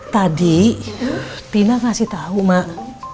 tadi tina ngasih tahu mak